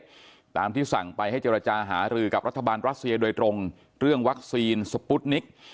ตามที่สั่งไปให้เจรจาหารือกับรัฐบาลรัสเซียโดยตรงเรื่องวัคซีนสปุตนิก